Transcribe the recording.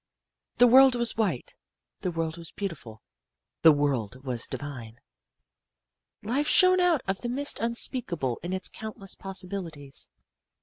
"The world was white. The world was beautiful. The world was divine. "Life shone out of the mist unspeakable in its countless possibilities.